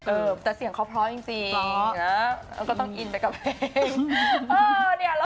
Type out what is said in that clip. เออแต่เสียงเขาเพราะจริงก็ต้องอินไปกับเพลง